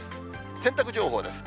洗濯情報です。